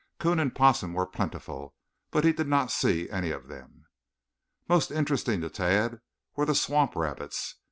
Coon and possum were plentiful, but he did not see any of them. Most interesting to Tad were the swamp rabbits.